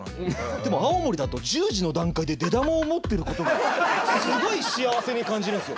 でも青森だと１０時の段階で出玉を持ってることがすごい幸せに感じるんですよ。